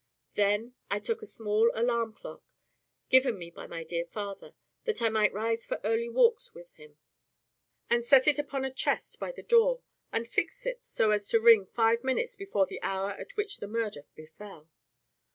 Then I took a small alarum clock, given me by dear father, that I might rise for early walks with him, and set it upon a chest by the door, and fixed it so as to ring five minutes before the hour at which the murder befell.